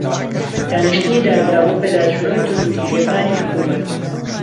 دانیشتنی دادگا بۆ پێداچوونەوەی توندوتیژییەکانی حکوومەت